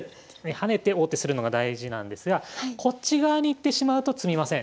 跳ねて王手するのが大事なんですがこっち側に行ってしまうと詰みません。